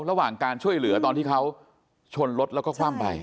ระหว่างการช่วยเหลือตอนที่เขาชนรถแล้วก็คว่ำไป